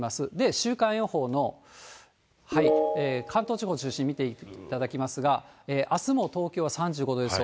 週間予報の関東地方中心に見ていただきますが、あすも東京は３５度予想。